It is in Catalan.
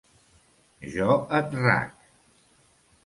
Jo et rac!